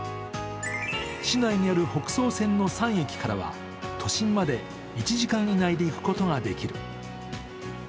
市内にある北総線の３駅からは都心まで１時間以内で行くことができる。